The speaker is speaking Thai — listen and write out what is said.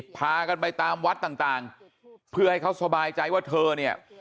พากันไปตามวัดต่างเพื่อให้เขาสบายใจว่าเธอเนี่ย